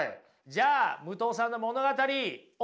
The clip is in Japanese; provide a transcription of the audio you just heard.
じゃあ武藤さんの物語お願いします！